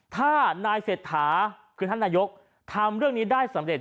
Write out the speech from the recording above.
ถ้านายเศรษฐาคือท่านนายกทำเรื่องนี้ได้สำเร็จ